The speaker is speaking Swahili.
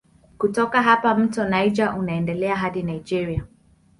Kutoka hapa mto Niger unaendelea hadi Nigeria.